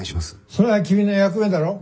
「それは君の役目だろう。